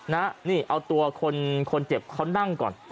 นี่เอาตัวคนคนเจ็บเขานั่งก่อน